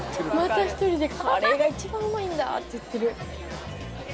「カレーが一番うまいんだ」って言ってる。